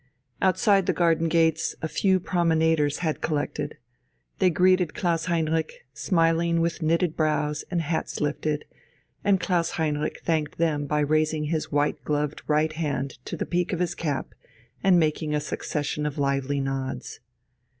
Outside the garden gates a few promenaders had collected. They greeted Klaus Heinrich, smiling with knitted brows and hats lifted, and Klaus Heinrich thanked them by raising his white gloved right hand to the peak of his cap and making a succession of lively nods.